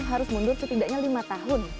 harus mundur setidaknya lima tahun